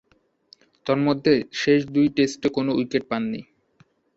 তন্মধ্যে শেষ দুই টেস্টে কোন উইকেট পাননি।